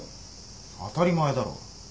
当たり前だろ。